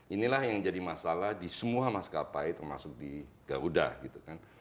inilah yang jadi masalah di semua maskapai termasuk di garuda gitu kan